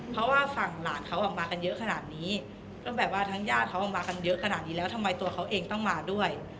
เพราะว่าฝั่งหลานเขาออกมากันเยอะขนาดนี้ก็แบบว่าทั้งญาติเขาออกมากันเยอะขนาดนี้แล้วทำไมตัวเขาเองต้องมาด้วย